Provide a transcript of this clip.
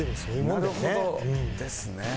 なるほどですね。